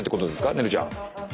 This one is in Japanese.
ねるちゃん。